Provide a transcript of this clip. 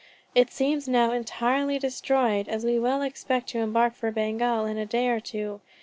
It seems now entirely destroyed, as we all expect to embark for Bengal in a day or two.